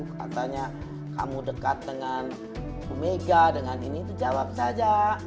katanya kamu dekat dengan bu mega dengan ini itu jawab saja